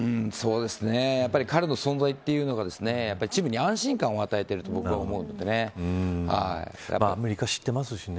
やはり彼の存在というのがチームに安心感を与えているとアメリカを知ってますしね。